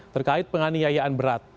terkait penganiayaan berat